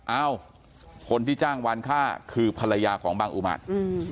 เอ้าคนที่จ้างวานค่าคือภรรยาของบางอุมาร